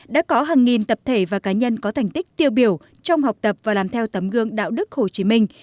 đã có hàng nghìn tập thể và cá nhân có thành tích tiêu biểu trong học tập và làm theo tấm gương đạo đức hồ chí minh